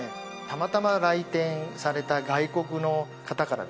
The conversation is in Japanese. たまたま来店された外国の方からですね